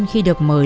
khi được mời